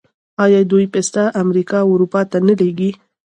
آیا دوی پسته امریکا او اروپا ته نه لیږي؟